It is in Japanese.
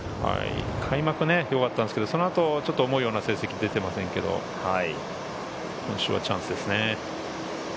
開幕よかったんですけど、その後、思うような成績が出ていませんけど、今週はチャンスですね。